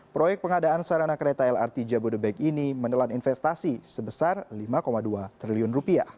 proyek pengadaan sarana kereta lrt jabodebek ini menelan investasi sebesar rp lima dua triliun